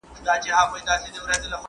د خلګو کرامت باید مات نه سي.